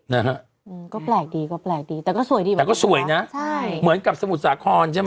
นะฮะอืมก็แปลกดีก็แปลกดีแต่ก็สวยดีเหมือนกันแต่ก็สวยนะใช่เหมือนกับสมุทรสาครใช่ไหม